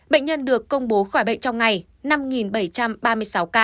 bệnh nhân được công bố khỏi bệnh trong ngày năm bảy trăm ba mươi sáu ca